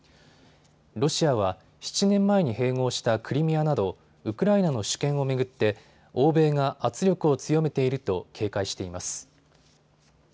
ロシアは７年前に併合したクリミアなどウクライナの主権を巡って欧米が圧力を強めていると警戒しています。